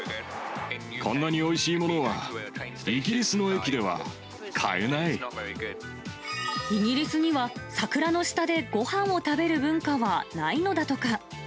こんなにおいしいものは、イギリイギリスには、桜の下でごはんを食べる文化はないのだとか。